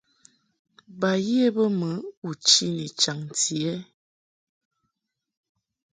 Ba ye bə mɨ u chi ni chaŋti ɛ ?